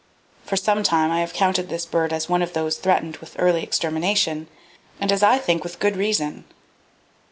For some time I have counted this bird as one of those threatened with early extermination, and as I think with good reason.